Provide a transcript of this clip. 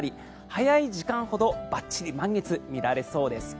早い時間ほどばっちり満月見られそうです。